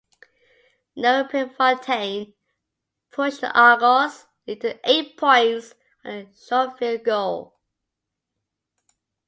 Noel Prefontaine pushed the Argos' lead to eight points on a short field goal.